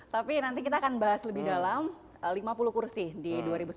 tapi nanti kita akan bahas lebih dalam lima puluh kursi di dua ribu sembilan belas dua ribu dua puluh empat